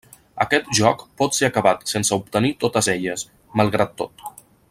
Aquest joc pot ser acabat sense obtenir totes elles, malgrat tot.